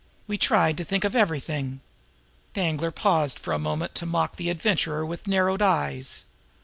We tried to think of everything!" Danglar paused for a moment to mock the Adventurer with narrowed eyes.